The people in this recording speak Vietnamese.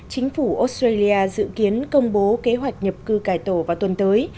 chính phủ australia dự kiến công bố kế hoạch nhập cư cải tổ vào tuần tới